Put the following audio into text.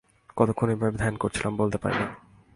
কতক্ষণ ঐ ভাবে ধ্যান করেছিলাম বলতে পারি না।